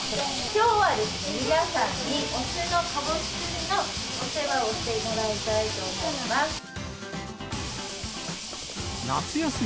きょうは、皆さんに雄のかぼす君のお世話をしてもらいたいと思います。